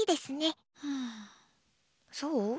そう？